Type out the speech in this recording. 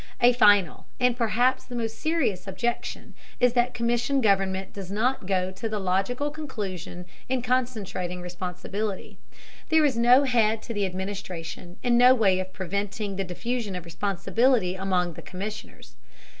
A final, and perhaps the most serious, objection is that commission government does not go to the logical conclusion in concentrating responsibility. There is no head to the administration, and no way of preventing the diffusion of responsibility among the commissioners.